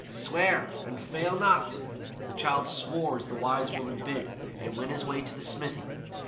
Swear, and fail not." The Childe swore as the Wise Woman bid, and went his way to the smithy.